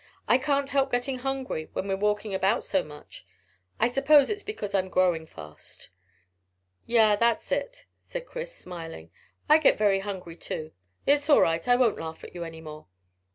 "I can't help getting hungry when we're walking about so much. I suppose it's because I'm growing fast." "Yea, that's it," said Chris, smiling. "I get very hungry too. It's all right; I won't laugh at you any more.